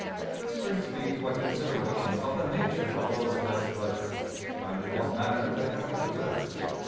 This brings me to a consideration of the nature of those alleged pledges, and in what manner they have been observed.